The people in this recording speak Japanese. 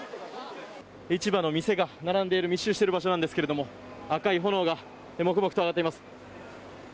市場の店が並んでいる密集している場所なんですが赤い炎がもくもくと上がっています。